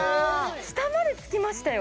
下までつきましたよ